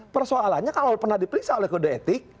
persoalannya kalau pernah diperiksa oleh kode etik